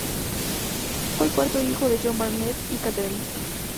Fue el cuarto hijo de John Barnett y Catherine.